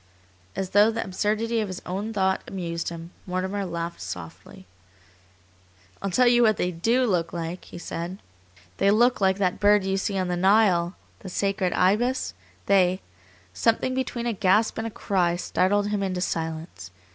As though the absurdity of his own thought amused him, Mortimer laughed softly. "I'll tell you what they DO look like," he said. "They look like that bird you see on the Nile, the sacred Ibis, they " Something between a gasp and a cry startled him into silence.